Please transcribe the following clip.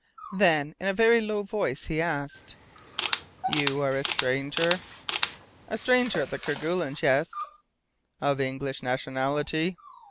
Then in a very low voice he asked: "You are a stranger?" "A stranger at the Kerguelens? Yes." "Of English nationality?"